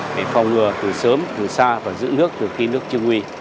để phòng ngừa từ sớm từ xa và giữ nước từ khi nước chưa nguy